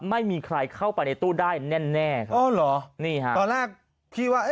ไม่มีใครเข้าไปในตู้ได้แน่แน่ครับอ๋อเหรอนี่ฮะตอนแรกที่ว่า